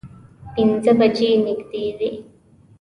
پینځه بجې نږدې وې.